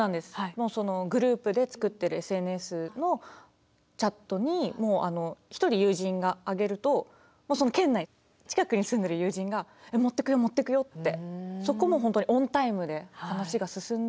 もうそのグループで作ってるＳＮＳのチャットに一人友人が上げるともうその県内近くに住んでる友人が「持ってくよ持ってくよ」ってそこも本当にオンタイムで話が進んだのは。